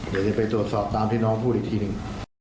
เดี๋ยวจะไปตรวจสอบตามที่น้องพูดอีกทีหนึ่ง